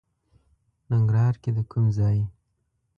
ننګرهار کې د کوم ځای؟